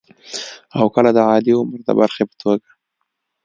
او کله د عادي عمر د برخې په توګه